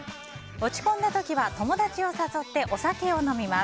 落ち込んだ時は友達を誘ってお酒を飲みます。